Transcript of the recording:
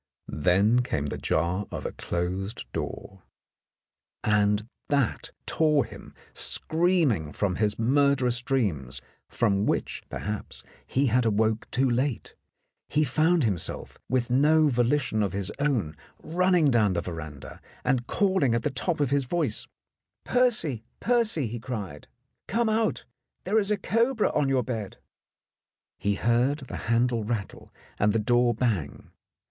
Then came the jar of a closed door. ... 124 In the Dark And that tore him screaming from his murderous dreams, from which, perhaps, he had awoke too late. He found himself, with no volition of his own, run ning down the veranda and calling at the top of his voice : "Percy, Percy," he cried, "come out. There is a cobra on your bed !" He heard the handle rattle and the door bang.